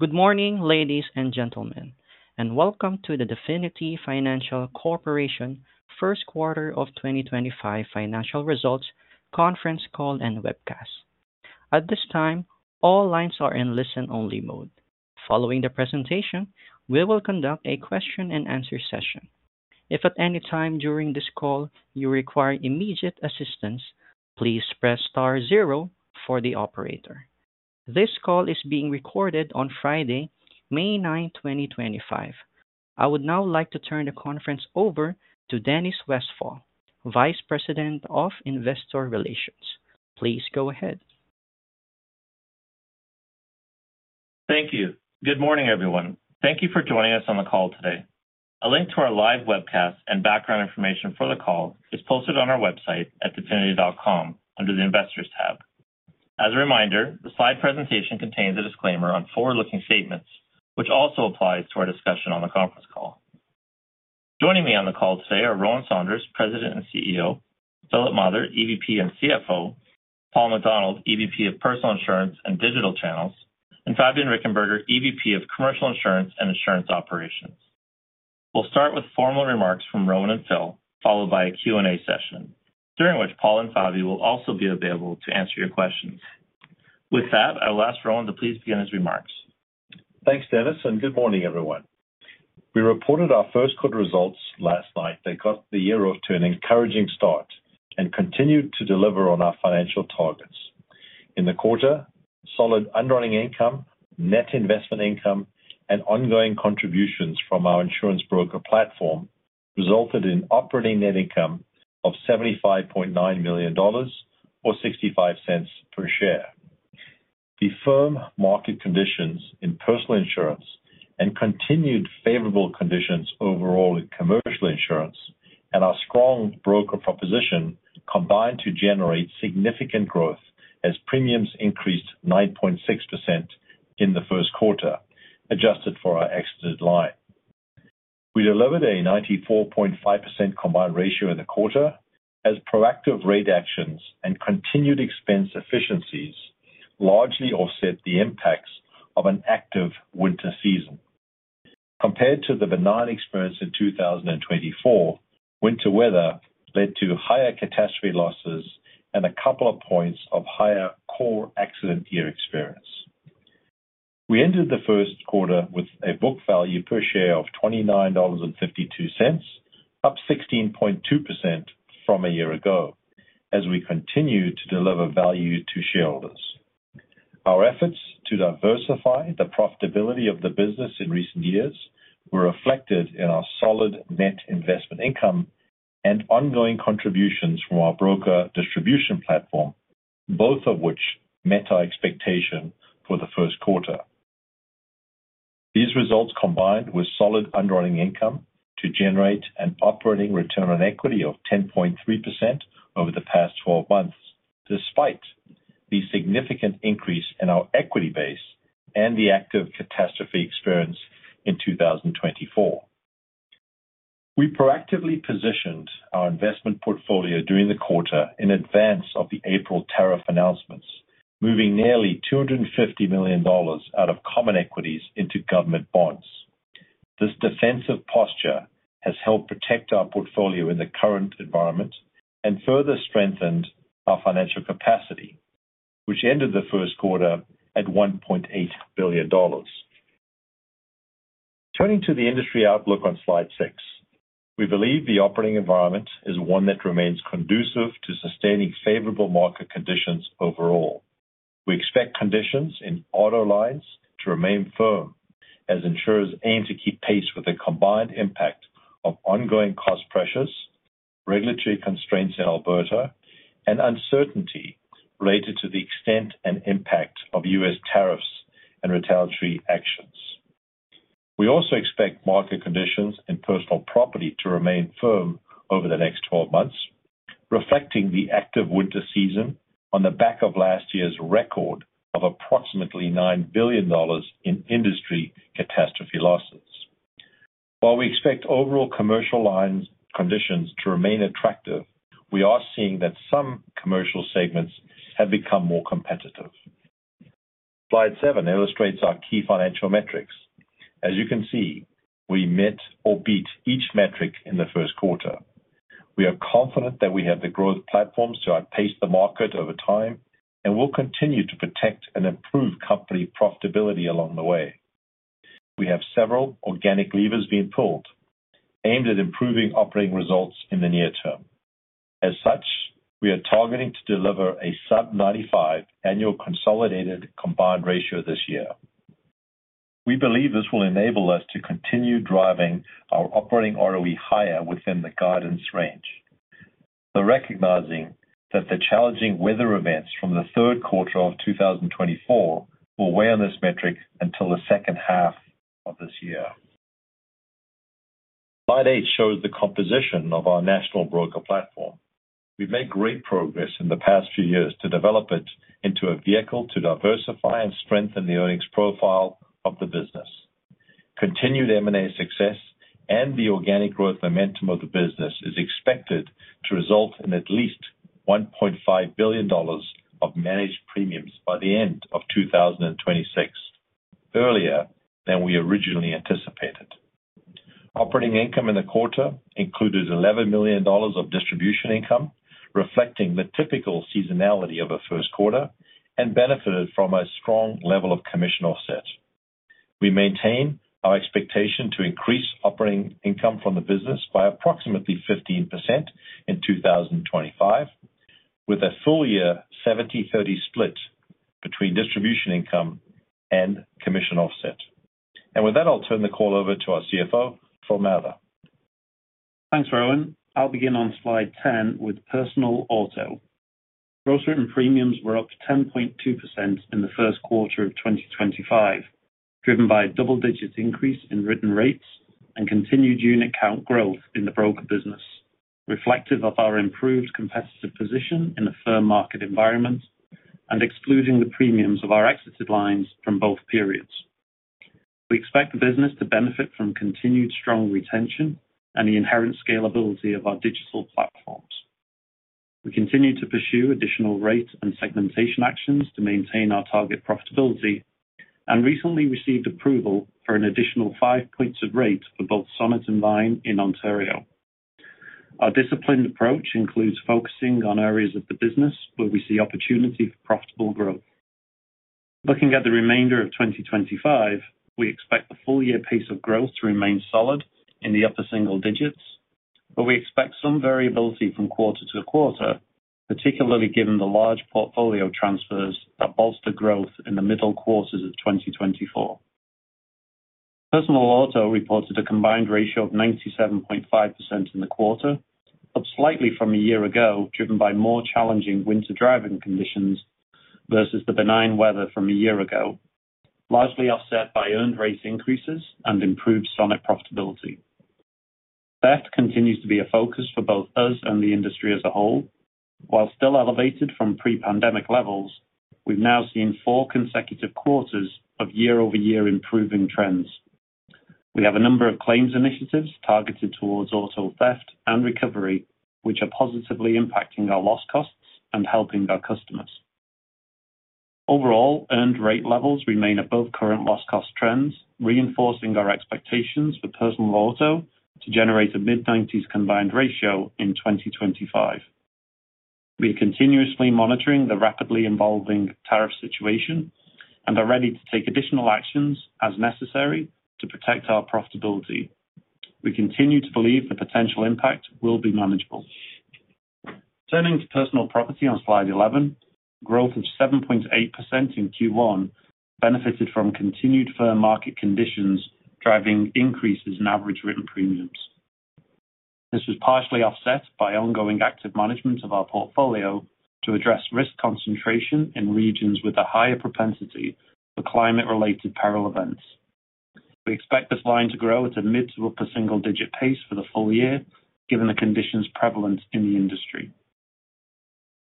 Good morning, ladies and gentlemen, and welcome to the Definity Financial Corporation First Quarter of 2025 Financial Results Conference Call and Webcast. At this time, all lines are in listen-only mode. Following the presentation, we will conduct a question-and-answer session. If at any time during this call you require immediate assistance, please press star zero for the operator. This call is being recorded on Friday, May 9, 2025. I would now like to turn the conference over to Dennis Westfall, Vice President of Investor Relations. Please go ahead. Thank you. Good morning, everyone. Thank you for joining us on the call today. A link to our live webcast and background information for the call is posted on our website at definity.com under the Investors tab. As a reminder, the slide presentation contains a disclaimer on forward-looking statements, which also applies to our discussion on the conference call. Joining me on the call today are Rowan Saunders, President and CEO; Philip Mather, EVP and CFO; Paul MacDonald, EVP of Personal Insurance and Digital Channels; and Fabian Richenberger, EVP of Commercial Insurance and Insurance Operations. We will start with formal remarks from Rowan and Phil, followed by a Q&A session, during which Paul and Fabian will also be available to answer your questions. With that, I will ask Rowan to please begin his remarks. Thanks, Dennis, and good morning, everyone. We reported our first quarter results last night. They got the year off to an encouraging start and continued to deliver on our financial targets. In the quarter, solid underlying income, net investment income, and ongoing contributions from our insurance broker platform resulted in operating net income of 75.9 million dollars or 0.65 per share. The firm market conditions in personal insurance and continued favorable conditions overall in commercial insurance and our strong broker proposition combined to generate significant growth as premiums increased 9.6% in the first quarter, adjusted for our exited line. We delivered a 94.5% combined ratio in the quarter as proactive rate actions and continued expense efficiencies largely offset the impacts of an active winter season. Compared to the benign experience in 2023, winter weather led to higher catastrophe losses and a couple of points of higher core accident year experience. We ended the first quarter with a book value per share of 29.52 dollars, up 16.2% from a year ago as we continued to deliver value to shareholders. Our efforts to diversify the profitability of the business in recent years were reflected in our solid net investment income and ongoing contributions from our broker distribution platform, both of which met our expectation for the first quarter. These results combined with solid underlying income to generate an operating return on equity of 10.3% over the past 12 months, despite the significant increase in our equity base and the active catastrophe experience in 2024. We proactively positioned our investment portfolio during the quarter in advance of the April tariff announcements, moving nearly 250 million dollars out of common equities into government bonds. This defensive posture has helped protect our portfolio in the current environment and further strengthened our financial capacity, which ended the first quarter at 1.8 billion dollars. Turning to the industry outlook on slide six, we believe the operating environment is one that remains conducive to sustaining favorable market conditions overall. We expect conditions in auto lines to remain firm as insurers aim to keep pace with the combined impact of ongoing cost pressures, regulatory constraints in Alberta, and uncertainty related to the extent and impact of U.S. tariffs and retaliatory actions. We also expect market conditions in personal property to remain firm over the next 12 months, reflecting the active winter season on the back of last year's record of approximately 9 billion dollars in industry catastrophe losses. While we expect overall commercial lines' conditions to remain attractive, we are seeing that some commercial segments have become more competitive. Slide seven illustrates our key financial metrics. As you can see, we met or beat each metric in the first quarter. We are confident that we have the growth platforms to outpace the market over time and will continue to protect and improve company profitability along the way. We have several organic levers being pulled aimed at improving operating results in the near term. As such, we are targeting to deliver a sub-95% annual consolidated combined ratio this year. We believe this will enable us to continue driving our operating ROE higher within the guidance range, recognizing that the challenging weather events from the third quarter of 2024 will weigh on this metric until the second half of this year. Slide eight shows the composition of our national broker platform. have made great progress in the past few years to develop it into a vehicle to diversify and strengthen the earnings profile of the business. Continued M&A success and the organic growth momentum of the business is expected to result in at least 1.5 billion dollars of managed premiums by the end of 2026, earlier than we originally anticipated. Operating income in the quarter included 11 million dollars of distribution income, reflecting the typical seasonality of a first quarter, and benefited from a strong level of commission offset. We maintain our expectation to increase operating income from the business by approximately 15% in 2025, with a full-year 70/30 split between distribution income and commission offset. With that, I will turn the call over to our CFO, Philip Mather. Thanks, Rowan. I'll begin on slide 10 with personal auto. Gross written premiums were up 10.2% in the first quarter of 2025, driven by a double-digit increase in written rates and continued unit count growth in the broker business, reflective of our improved competitive position in a firm market environment and excluding the premiums of our exited lines from both periods. We expect the business to benefit from continued strong retention and the inherent scalability of our digital platforms. We continue to pursue additional rate and segmentation actions to maintain our target profitability and recently received approval for an additional five percentage points of rate for both Sonnet and Vine in Ontario. Our disciplined approach includes focusing on areas of the business where we see opportunity for profitable growth. Looking at the remainder of 2025, we expect the full-year pace of growth to remain solid in the upper single digits, but we expect some variability from quarter to quarter, particularly given the large portfolio transfers that bolster growth in the middle quarters of 2024. Personal auto reported a combined ratio of 97.5% in the quarter, up slightly from a year ago, driven by more challenging winter driving conditions versus the benign weather from a year ago, largely offset by earned rate increases and improved Sonnet profitability. Theft continues to be a focus for both us and the industry as a whole. While still elevated from pre-pandemic levels, we've now seen four consecutive quarters of year-over-year improving trends. We have a number of claims initiatives targeted towards auto theft and recovery, which are positively impacting our loss costs and helping our customers. Overall, earned rate levels remain above current loss cost trends, reinforcing our expectations for personal auto to generate a mid-90% combined ratio in 2025. We are continuously monitoring the rapidly evolving tariff situation and are ready to take additional actions as necessary to protect our profitability. We continue to believe the potential impact will be manageable. Turning to personal property on slide 11, growth of 7.8% in Q1 benefited from continued firm market conditions driving increases in average written premiums. This was partially offset by ongoing active management of our portfolio to address risk concentration in regions with a higher propensity for climate-related peril events. We expect this line to grow at a mid to upper single-digit pace for the full year, given the conditions prevalent in the industry.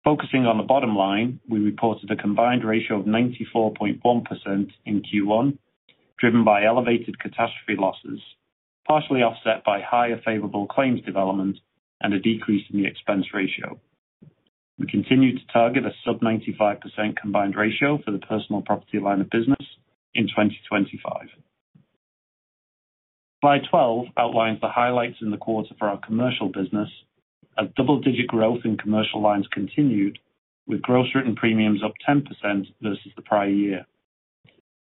Focusing on the bottom line, we reported a combined ratio of 94.1% in Q1, driven by elevated catastrophe losses, partially offset by higher favorable claims development and a decrease in the expense ratio. We continue to target a sub-95% combined ratio for the personal property line of business in 2025. Slide 12 outlines the highlights in the quarter for our commercial business, as double-digit growth in commercial lines continued, with gross written premiums up 10% versus the prior year.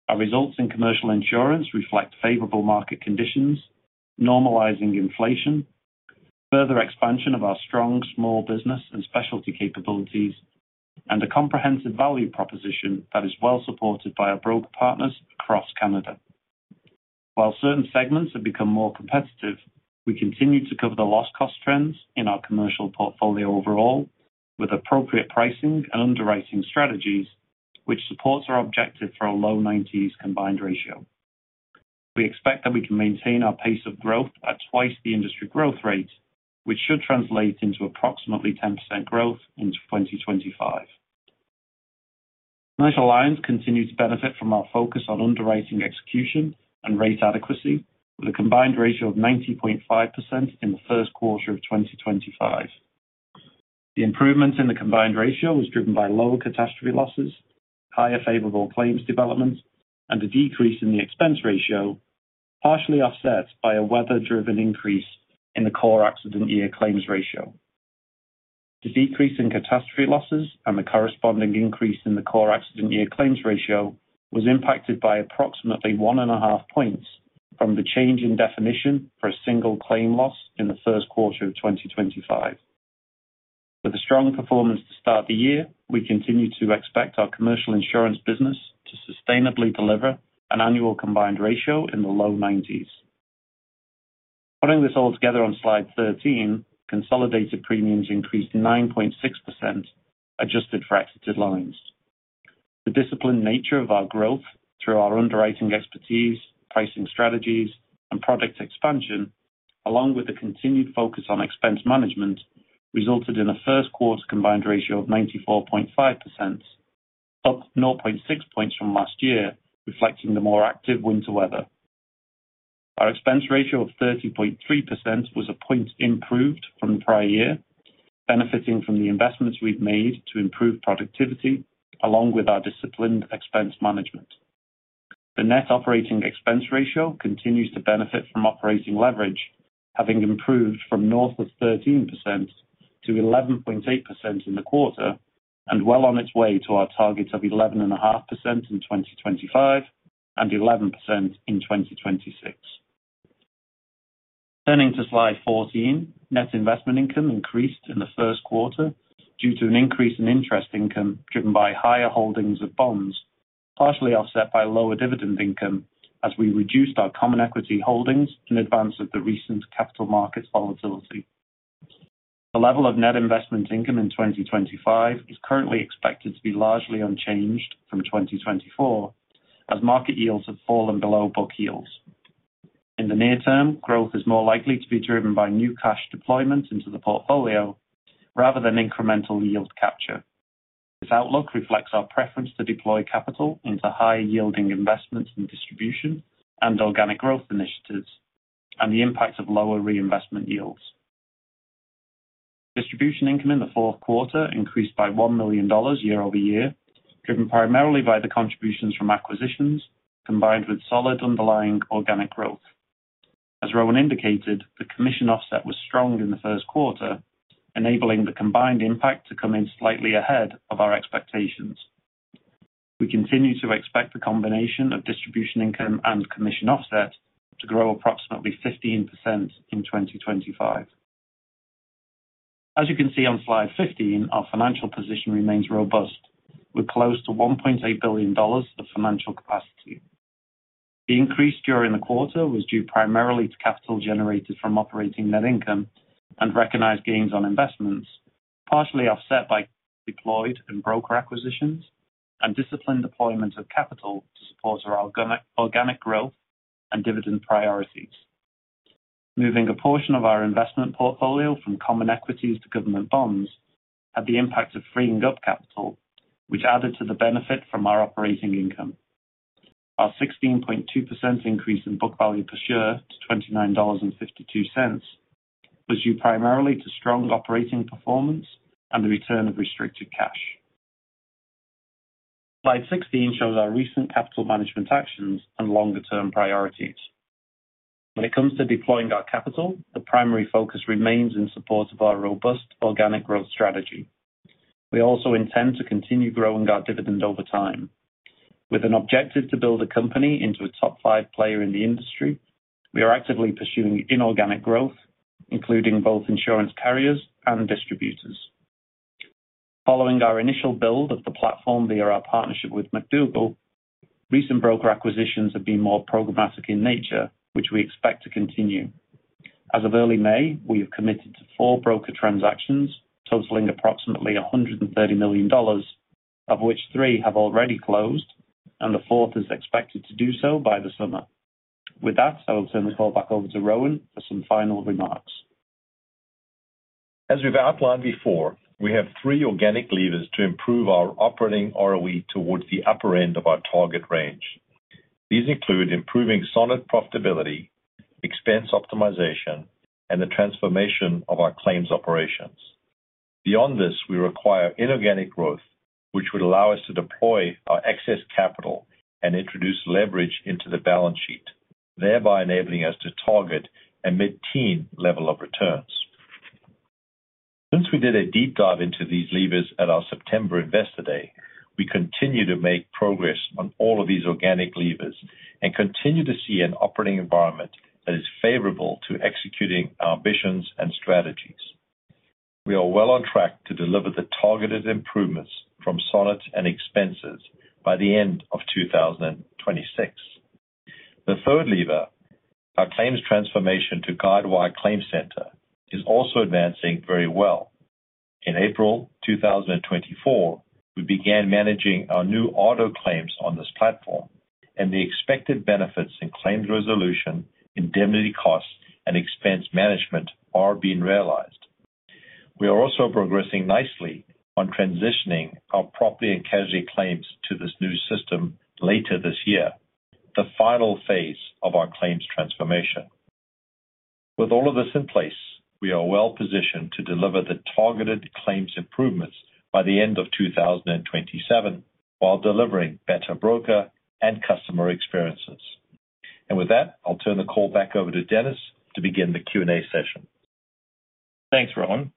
Our results in commercial insurance reflect favorable market conditions, normalizing inflation, further expansion of our strong small business and specialty capabilities, and a comprehensive value proposition that is well supported by our broker partners across Canada. While certain segments have become more competitive, we continue to cover the loss cost trends in our commercial portfolio overall, with appropriate pricing and underwriting strategies, which supports our objective for a low 90s combined ratio. We expect that we can maintain our pace of growth at twice the industry growth rate, which should translate into approximately 10% growth in 2025. Financial lines continue to benefit from our focus on underwriting execution and rate adequacy, with a combined ratio of 90.5% in the first quarter of 2025. The improvement in the combined ratio was driven by lower catastrophe losses, higher favorable claims development, and a decrease in the expense ratio, partially offset by a weather-driven increase in the core accident year claims ratio. The decrease in catastrophe losses and the corresponding increase in the core accident year claims ratio was impacted by approximately one and a half points from the change in definition for a single claim loss in the first quarter of 2025. With a strong performance to start the year, we continue to expect our commercial insurance business to sustainably deliver an annual combined ratio in the low 90s. Putting this all together on slide 13, consolidated premiums increased 9.6%, adjusted for exited lines. The disciplined nature of our growth through our underwriting expertise, pricing strategies, and product expansion, along with the continued focus on expense management, resulted in a first quarter combined ratio of 94.5%, up 0.6 points from last year, reflecting the more active winter weather. Our expense ratio of 30.3% was a point improved from the prior year, benefiting from the investments we've made to improve productivity along with our disciplined expense management. The net operating expense ratio continues to benefit from operating leverage, having improved from north of 13% to 11.8% in the quarter and well on its way to our targets of 11.5% in 2025 and 11% in 2026. Turning to slide 14, net investment income increased in the first quarter due to an increase in interest income driven by higher holdings of bonds, partially offset by lower dividend income as we reduced our common equity holdings in advance of the recent capital markets volatility. The level of net investment income in 2025 is currently expected to be largely unchanged from 2024, as market yields have fallen below book yields. In the near term, growth is more likely to be driven by new cash deployment into the portfolio rather than incremental yield capture. This outlook reflects our preference to deploy capital into high-yielding investments in distribution and organic growth initiatives and the impact of lower reinvestment yields. Distribution income in the fourth quarter increased by 1 million dollars year-over-year, driven primarily by the contributions from acquisitions combined with solid underlying organic growth. As Rowan indicated, the commission offset was strong in the first quarter, enabling the combined impact to come in slightly ahead of our expectations. We continue to expect the combination of distribution income and commission offset to grow approximately 15% in 2025. As you can see on slide 15, our financial position remains robust, with close to 1.8 billion dollars of financial capacity. The increase during the quarter was due primarily to capital generated from operating net income and recognized gains on investments, partially offset by deployed and broker acquisitions and disciplined deployment of capital to support our organic growth and dividend priorities. Moving a portion of our investment portfolio from common equities to government bonds had the impact of freeing up capital, which added to the benefit from our operating income. Our 16.2% increase in book value per share to 29.52 dollars was due primarily to strong operating performance and the return of restricted cash. Slide 16 shows our recent capital management actions and longer-term priorities. When it comes to deploying our capital, the primary focus remains in support of our robust organic growth strategy. We also intend to continue growing our dividend over time. With an objective to build a company into a top five player in the industry, we are actively pursuing inorganic growth, including both insurance carriers and distributors. Following our initial build of the platform via our partnership with McDougall, recent broker acquisitions have been more programmatic in nature, which we expect to continue. As of early May, we have committed to four broker transactions, totaling approximately 130 million dollars, of which three have already closed and the fourth is expected to do so by the summer. With that, I will turn the call back over to Rowan for some final remarks. As we've outlined before, we have three organic levers to improve our operating ROE towards the upper end of our target range. These include improving Sonnet profitability, expense optimization, and the transformation of our claims operations. Beyond this, we require inorganic growth, which would allow us to deploy our excess capital and introduce leverage into the balance sheet, thereby enabling us to target a mid-teen level of returns. Since we did a deep dive into these levers at our September Investor Day, we continue to make progress on all of these organic levers and continue to see an operating environment that is favorable to executing our ambitions and strategies. We are well on track to deliver the targeted improvements from Sonnet and expenses by the end of 2026. The third lever, our claims transformation to Guidewire ClaimCenter, is also advancing very well. In April 2024, we began managing our new auto claims on this platform, and the expected benefits in claims resolution, indemnity costs, and expense management are being realized. We are also progressing nicely on transitioning our property and casualty claims to this new system later this year, the final phase of our claims transformation. With all of this in place, we are well positioned to deliver the targeted claims improvements by the end of 2027 while delivering better broker and customer experiences. With that, I'll turn the call back over to Dennis to begin the Q&A session. Thanks, Rowan.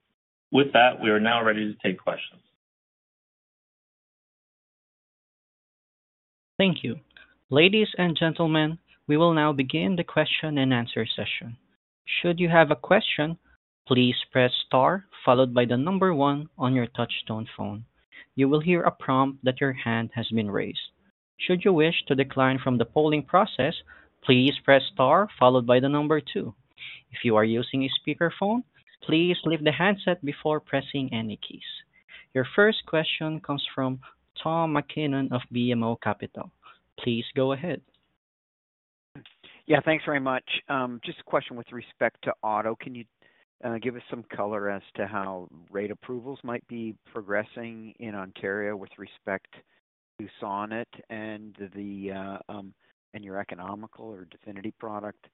With that, we are now ready to take questions. Thank you. Ladies and gentlemen, we will now begin the question and answer session. Should you have a question, please press star followed by the number one on your touch-tone phone. You will hear a prompt that your hand has been raised. Should you wish to decline from the polling process, please press star followed by the number two. If you are using a speakerphone, please lift the handset before pressing any keys. Your first question comes from Tom MacKinnon of BMO Capital. Please go ahead. Yeah, thanks very much. Just a question with respect to auto. Can you give us some color as to how rate approvals might be progressing in Ontario with respect to Sonnet and your Economical or Definity product?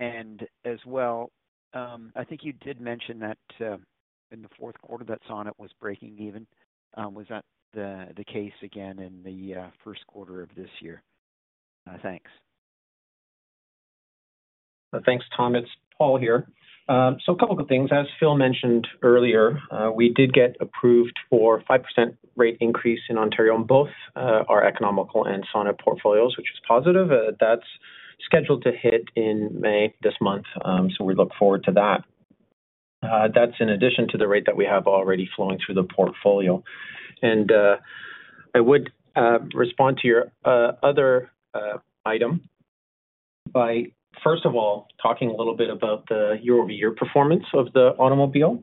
And as well, I think you did mention that in the fourth quarter, that Sonnet was breaking even. Was that the case again in the first quarter of this year? Thanks. Thanks, Tom. It's Paul here. A couple of good things. As Phil mentioned earlier, we did get approved for a 5% rate increase in Ontario on both our Economical and Sonnet portfolios, which is positive. That's scheduled to hit in May this month, so we look forward to that. That's in addition to the rate that we have already flowing through the portfolio. I would respond to your other item by, first of all, talking a little bit about the year-over-year performance of the automobile.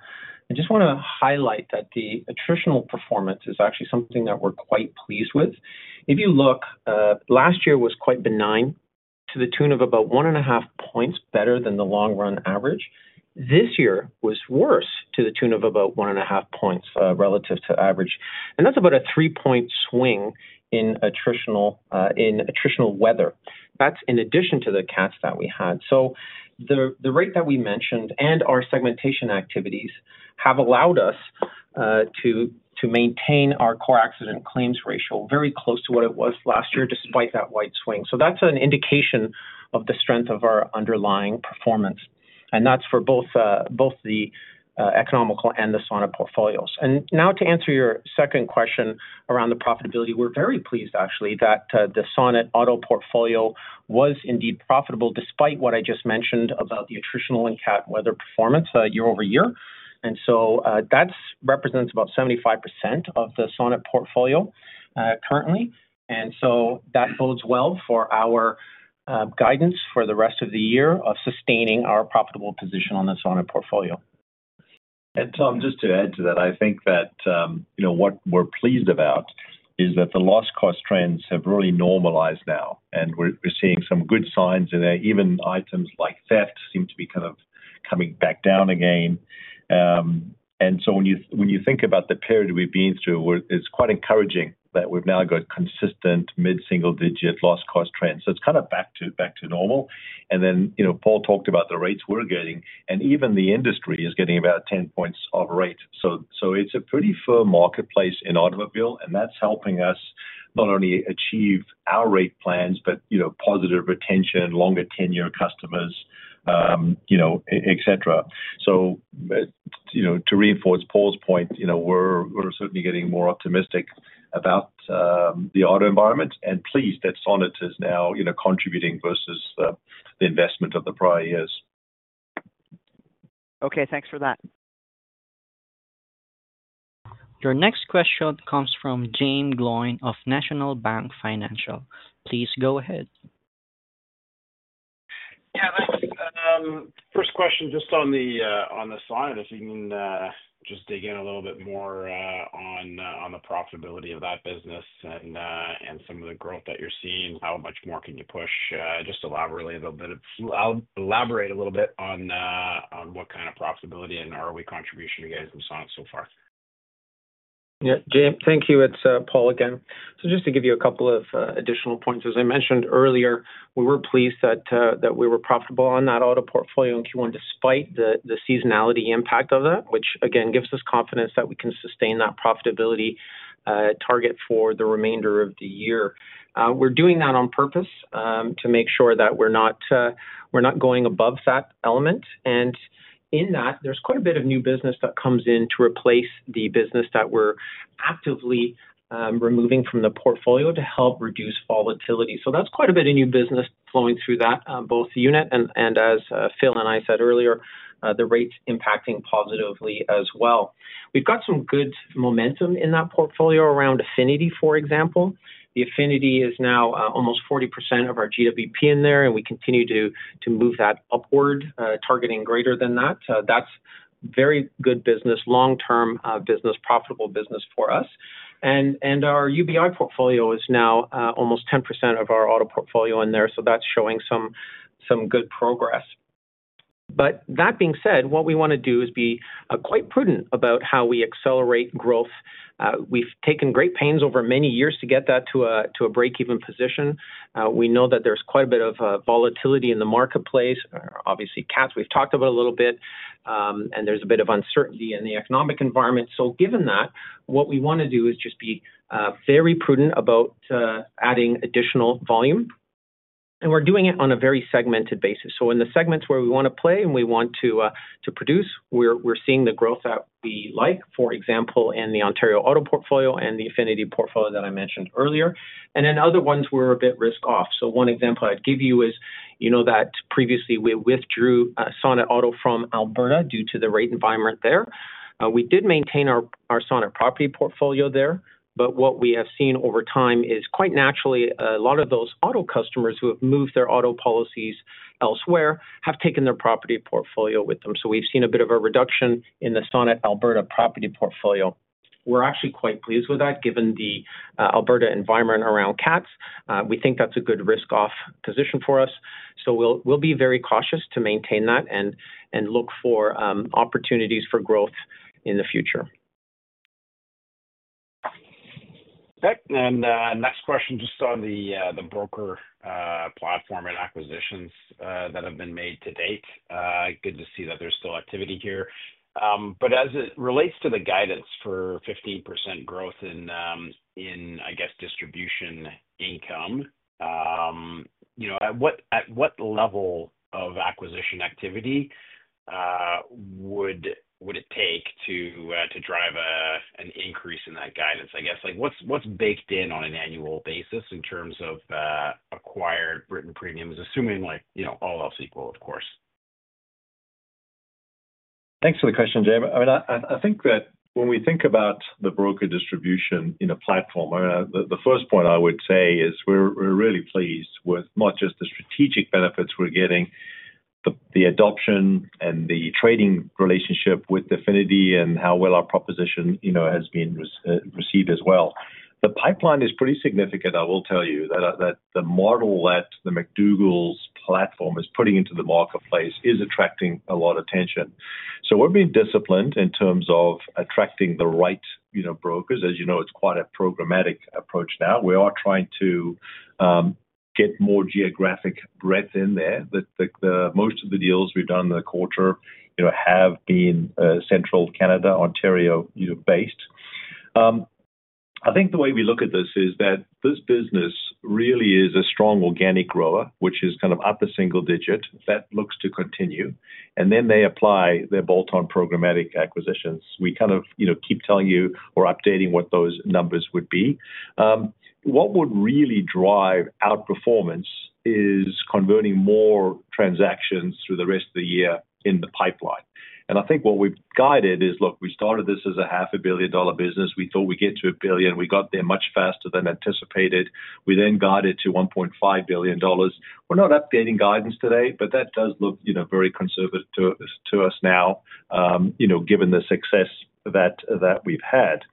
I just want to highlight that the attritional performance is actually something that we're quite pleased with. If you look, last year was quite benign to the tune of about one and a half points better than the long-run average. This year was worse to the tune of about one and a half points relative to average. That is about a three-point swing in attritional weather. That is in addition to the cats that we had. The rate that we mentioned and our segmentation activities have allowed us to maintain our core accident claims ratio very close to what it was last year, despite that wide swing. That is an indication of the strength of our underlying performance. That is for both the Economical and the Sonnet portfolios. To answer your second question around the profitability, we are very pleased, actually, that the Sonnet auto portfolio was indeed profitable, despite what I just mentioned about the attritional and cat weather performance year-over-year. That represents about 75% of the Sonnet portfolio currently. That bodes well for our guidance for the rest of the year of sustaining our profitable position on the Sonnet portfolio. Tom, just to add to that, I think that what we're pleased about is that the loss cost trends have really normalized now, and we're seeing some good signs in there. Even items like theft seem to be kind of coming back down again. When you think about the period we've been through, it's quite encouraging that we've now got consistent mid-single-digit loss cost trends. It's kind of back to normal. Paul talked about the rates we're getting, and even the industry is getting about 10 percentage points of rate. It's a pretty firm marketplace in automobile, and that's helping us not only achieve our rate plans, but positive retention, longer tenure customers, etc. To reinforce Paul's point, we're certainly getting more optimistic about the auto environment and pleased that Sonnet is now contributing versus the investment of the prior years. Okay, thanks for that. Your next question comes from Jaeme Gloyn of National Bank Financial. Please go ahead. Yeah, thanks. First question, just on the Sonnet, if you can just dig in a little bit more on the profitability of that business and some of the growth that you're seeing, how much more can you push? Just elaborate a little bit on what kind of profitability and ROE contribution you guys have seen so far. Yeah, James, thank you. It's Paul again. Just to give you a couple of additional points. As I mentioned earlier, we were pleased that we were profitable on that auto portfolio in Q1 despite the seasonality impact of that, which again gives us confidence that we can sustain that profitability target for the remainder of the year. We're doing that on purpose to make sure that we're not going above that element. In that, there's quite a bit of new business that comes in to replace the business that we're actively removing from the portfolio to help reduce volatility. That's quite a bit of new business flowing through that, both unit and, as Phil and I said earlier, the rates impacting positively as well. We've got some good momentum in that portfolio around affinity, for example. The affinity is now almost 40% of our GWP in there, and we continue to move that upward, targeting greater than that. That is very good business, long-term business, profitable business for us. Our UBI portfolio is now almost 10% of our auto portfolio in there, so that is showing some good progress. That being said, what we want to do is be quite prudent about how we accelerate growth. We have taken great pains over many years to get that to a break-even position. We know that there is quite a bit of volatility in the marketplace. Obviously, cats, we have talked about a little bit, and there is a bit of uncertainty in the economic environment. Given that, what we want to do is just be very prudent about adding additional volume. We are doing it on a very segmented basis. In the segments where we want to play and we want to produce, we're seeing the growth that we like, for example, in the Ontario auto portfolio and the affinity portfolio that I mentioned earlier. In other ones, we're a bit risk-off. One example I'd give you is that previously we withdrew Sonnet auto from Alberta due to the rate environment there. We did maintain our Sonnet property portfolio there, but what we have seen over time is quite naturally, a lot of those auto customers who have moved their auto policies elsewhere have taken their property portfolio with them. We've seen a bit of a reduction in the Sonnet Alberta property portfolio. We're actually quite pleased with that, given the Alberta environment around cats. We think that's a good risk-off position for us. We'll be very cautious to maintain that and look for opportunities for growth in the future. Next question, just on the broker platform and acquisitions that have been made to date. Good to see that there's still activity here. As it relates to the guidance for 15% growth in, I guess, distribution income, at what level of acquisition activity would it take to drive an increase in that guidance, I guess? What's baked in on an annual basis in terms of acquired written premiums, assuming all else equal, of course? Thanks for the question, Jaeme. I think that when we think about the broker distribution in a platform, the first point I would say is we're really pleased with not just the strategic benefits we're getting, the adoption and the trading relationship with Definity and how well our proposition has been received as well. The pipeline is pretty significant, I will tell you, that the model that the McDougall platform is putting into the marketplace is attracting a lot of attention. We are being disciplined in terms of attracting the right brokers. As you know, it's quite a programmatic approach now. We are trying to get more geographic breadth in there. Most of the deals we've done in the quarter have been central Canada, Ontario-based. I think the way we look at this is that this business really is a strong organic grower, which is kind of up a single digit. That looks to continue. They apply their bolt-on programmatic acquisitions. We kind of keep telling you or updating what those numbers would be. What would really drive outperformance is converting more transactions through the rest of the year in the pipeline. I think what we've guided is, look, we started this as a 500 million dollar business. We thought we'd get to 1 billion. We got there much faster than anticipated. We then guided to 1.5 billion dollars. We're not updating guidance today, but that does look very conservative to us now, given the success that we've had.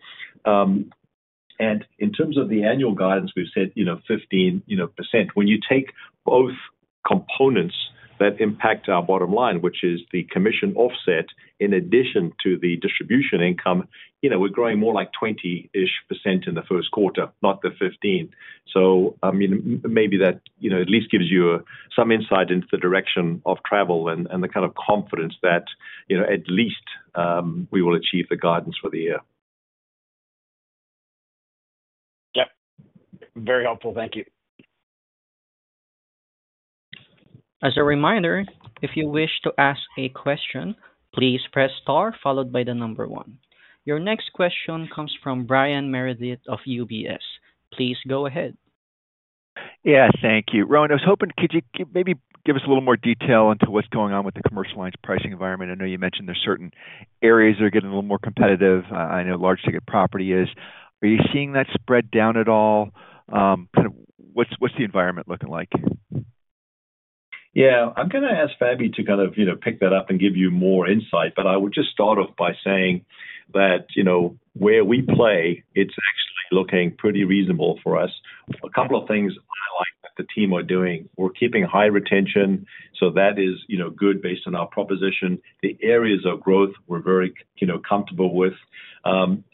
In terms of the annual guidance, we've said 15%. When you take both components that impact our bottom line, which is the commission offset in addition to the distribution income, we're growing more like 20% in the first quarter, not the 15%. Maybe that at least gives you some insight into the direction of travel and the kind of confidence that at least we will achieve the guidance for the year. Yep. Very helpful. Thank you. As a reminder, if you wish to ask a question, please press star followed by the number one. Your next question comes from Brian Meredith of UBS. Please go ahead. Yeah, thank you. Rowan, I was hoping could you maybe give us a little more detail into what's going on with the commercial lines pricing environment? I know you mentioned there's certain areas that are getting a little more competitive. I know large ticket property is. Are you seeing that spread down at all? What's the environment looking like? Yeah. I'm going to ask Fabian to kind of pick that up and give you more insight, but I would just start off by saying that where we play, it's actually looking pretty reasonable for us. A couple of things I like that the team are doing. We're keeping high retention, so that is good based on our proposition. The areas of growth we're very comfortable with.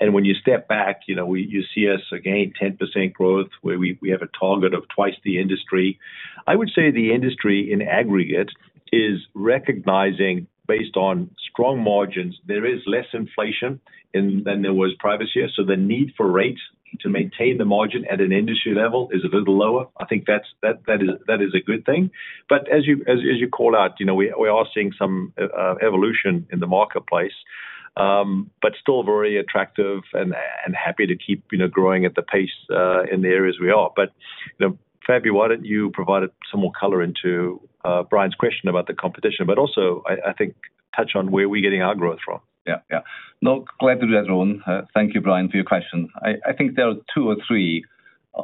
When you step back, you see us again, 10% growth, where we have a target of twice the industry. I would say the industry in aggregate is recognizing, based on strong margins, there is less inflation than there was prior this year. The need for rates to maintain the margin at an industry level is a little lower. I think that is a good thing. As you call out, we are seeing some evolution in the marketplace, but still very attractive and happy to keep growing at the pace in the areas we are. Fabian, why don't you provide some more color into Brian's question about the competition, but also I think touch on where we're getting our growth from. Yeah, yeah. No, glad to do that, Rowan. Thank you, Brian, for your question. I think there are two or three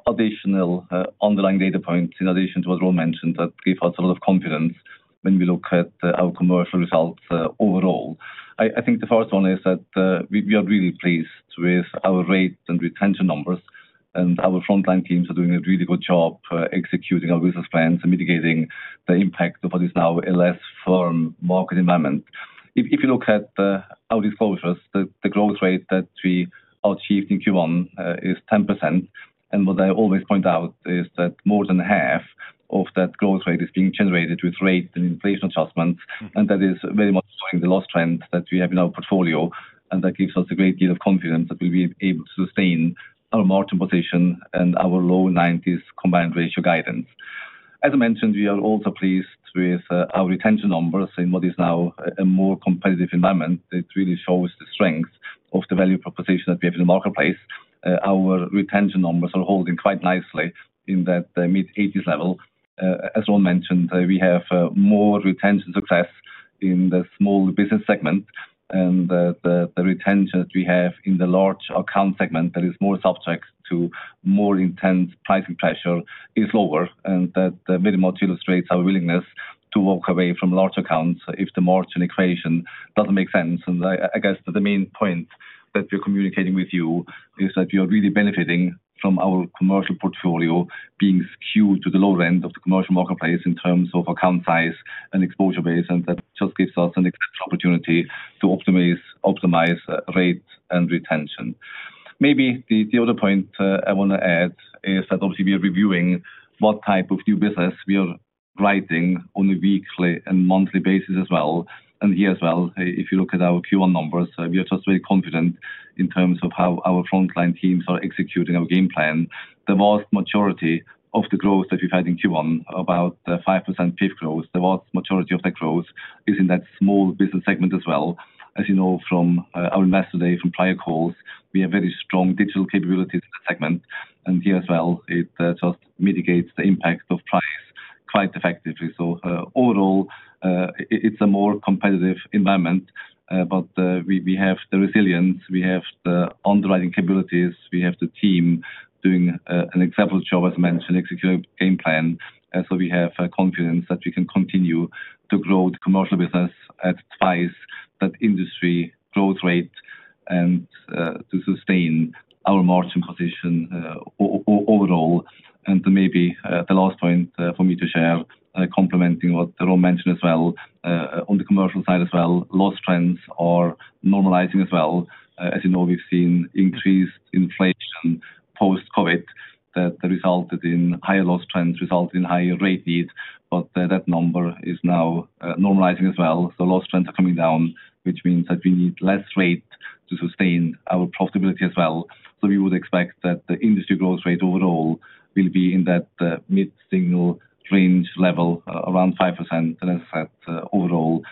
additional underlying data points in addition to what Rowan mentioned that give us a lot of confidence when we look at our commercial results overall. I think the first one is that we are really pleased with our rate and retention numbers, and our frontline teams are doing a really good job executing our business plans and mitigating the impact of what is now a less firm market environment. If you look at our disclosures, the growth rate that we achieved in Q1 is 10%. And what I always point out is that more than half of that growth rate is being generated with rate and inflation adjustments, and that is very much following the loss trend that we have in our portfolio. That gives us a great deal of confidence that we'll be able to sustain our margin position and our low 90s combined ratio guidance. As I mentioned, we are also pleased with our retention numbers in what is now a more competitive environment. It really shows the strength of the value proposition that we have in the marketplace. Our retention numbers are holding quite nicely in that mid-80s level. As Rowan mentioned, we have more retention success in the small business segment, and the retention that we have in the large account segment that is more subject to more intense pricing pressure is lower. That very much illustrates our willingness to walk away from large accounts if the margin equation doesn't make sense. I guess that the main point that we're communicating with you is that we are really benefiting from our commercial portfolio being skewed to the lower end of the commercial marketplace in terms of account size and exposure base. That just gives us an exceptional opportunity to optimize rate and retention. Maybe the other point I want to add is that obviously we are reviewing what type of new business we are writing on a weekly and monthly basis as well. Here as well, if you look at our Q1 numbers, we are just very confident in terms of how our frontline teams are executing our game plan. The vast majority of the growth that we've had in Q1, about 5% PIF growth, the vast majority of that growth is in that small business segment as well. As you know from our investor day, from prior calls, we have very strong digital capabilities in that segment. Here as well, it just mitigates the impact of price quite effectively. Overall, it is a more competitive environment, but we have the resilience, we have the underwriting capabilities, we have the team doing an exceptional job, as I mentioned, executing a game plan. We have confidence that we can continue to grow the commercial business at twice that industry growth rate and to sustain our margin position overall. Maybe the last point for me to share, complementing what Rowan mentioned as well, on the commercial side, loss trends are normalizing as well. As you know, we have seen increased inflation post-COVID that resulted in higher loss trends, resulted in higher rate needs, but that number is now normalizing as well. Loss trends are coming down, which means that we need less rate to sustain our profitability as well. We would expect that the industry growth rate overall will be in that mid-single-digit range level, around 5%. As I said, overall,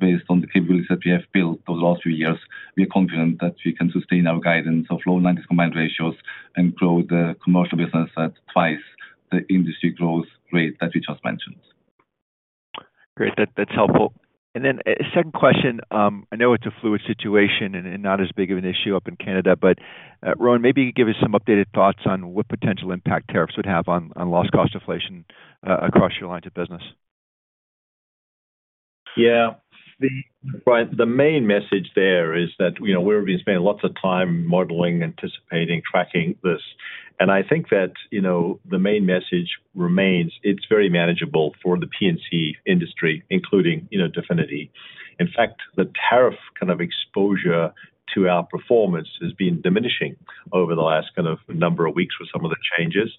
based on the capabilities that we have built over the last few years, we are confident that we can sustain our guidance of low 90s combined ratios and grow the commercial business at twice the industry growth rate that we just mentioned. Great. That's helpful. Then second question, I know it's a fluid situation and not as big of an issue up in Canada, but Rowan, maybe you could give us some updated thoughts on what potential impact tariffs would have on lost cost inflation across your lines of business. Yeah. The main message there is that we've been spending lots of time modeling, anticipating, tracking this. I think that the main message remains, it's very manageable for the P&C industry, including Definity. In fact, the tariff kind of exposure to our performance has been diminishing over the last number of weeks with some of the changes.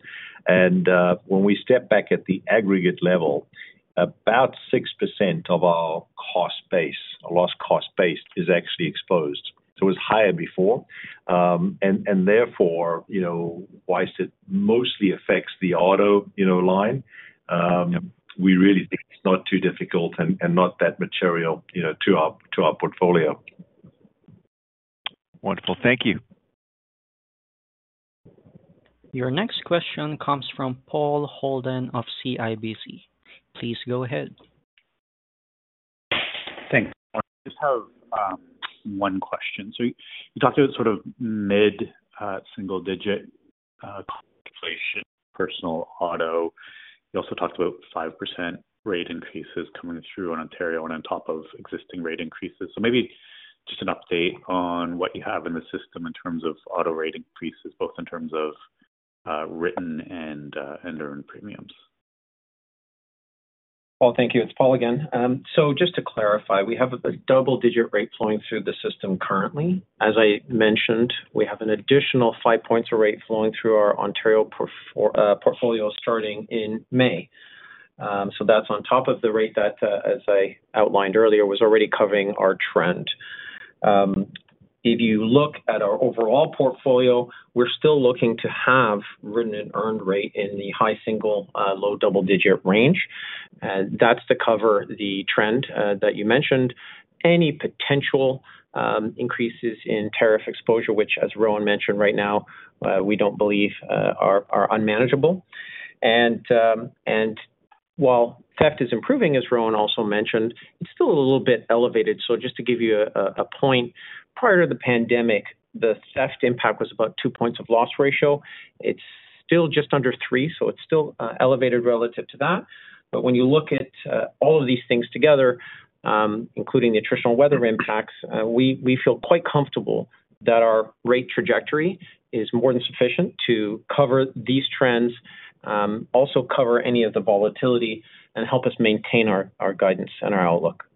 When we step back at the aggregate level, about 6% of our cost base, our loss cost base, is actually exposed. It was higher before. Therefore, whilst it mostly affects the auto line, we really think it's not too difficult and not that material to our portfolio. Wonderful. Thank you. Your next question comes from Paul Holden of CIBC. Please go ahead. Thanks. I just have one question. You talked about sort of mid-single digit inflation, personal auto. You also talked about 5% rate increases coming through in Ontario and on top of existing rate increases. Maybe just an update on what you have in the system in terms of auto rate increases, both in terms of written and earned premiums. Paul, thank you. It's Paul again. Just to clarify, we have a double-digit rate flowing through the system currently. As I mentioned, we have an additional five points of rate flowing through our Ontario portfolio starting in May. That's on top of the rate that, as I outlined earlier, was already covering our trend. If you look at our overall portfolio, we're still looking to have written and earned rate in the high single, low double-digit range. That's to cover the trend that you mentioned. Any potential increases in tariff exposure, which, as Rowan mentioned right now, we do not believe are unmanageable. While theft is improving, as Rowan also mentioned, it is still a little bit elevated. Just to give you a point, prior to the pandemic, the theft impact was about two percentage points of loss ratio. It is still just under three, so it is still elevated relative to that. When you look at all of these things together, including the attritional weather impacts, we feel quite comfortable that our rate trajectory is more than sufficient to cover these trends, also cover any of the volatility, and help us maintain our guidance and our outlook.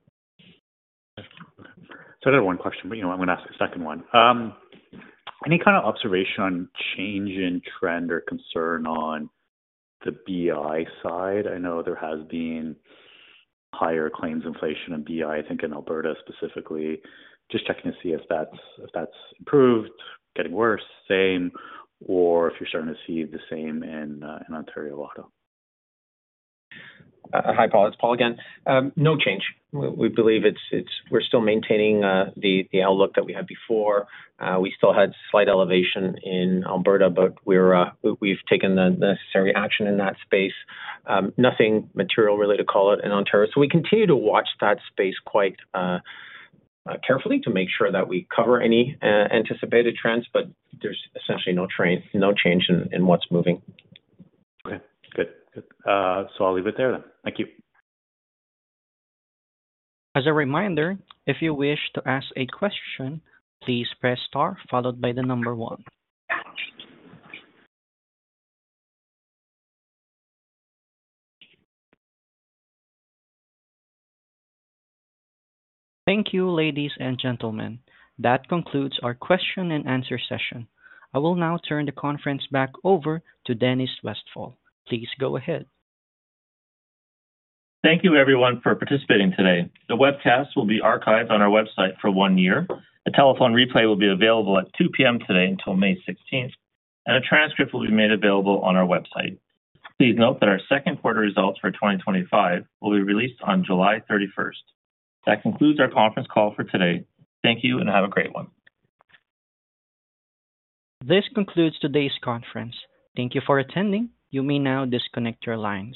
I did have one question, but I'm going to ask a second one. Any kind of observation on change in trend or concern on the BI side? I know there has been higher claims inflation in BI, I think in Alberta specifically. Just checking to see if that's improved, getting worse, same, or if you're starting to see the same in Ontario auto. Hi, Paul. It's Paul again. No change. We believe we're still maintaining the outlook that we had before. We still had slight elevation in Alberta, but we've taken the necessary action in that space. Nothing material really to call it in Ontario. We continue to watch that space quite carefully to make sure that we cover any anticipated trends, but there's essentially no change in what's moving. Okay. Good. Good. I'll leave it there then. Thank you. As a reminder, if you wish to ask a question, please press star followed by the number one. Thank you, ladies and gentlemen. That concludes our question and answer session. I will now turn the conference back over to Dennis Westfall. Please go ahead. Thank you, everyone, for participating today. The webcast will be archived on our website for one year. A telephone replay will be available at 2:00 P.M. today until May 16th, and a transcript will be made available on our website. Please note that our second quarter results for 2025 will be released on July 31st. That concludes our conference call for today. Thank you and have a great one. This concludes today's conference. Thank you for attending. You may now disconnect your lines.